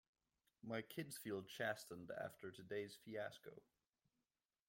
My kids feel chastened after today's fiasco.